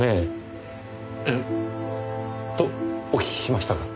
えっ？とお聞きしましたが。